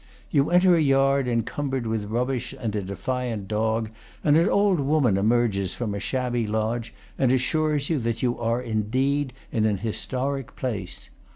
You enter a yard encumbered with rubbish and a defiant dog, and an old woman emerges from a shabby lodge and assures you that you are indeed in an historic place.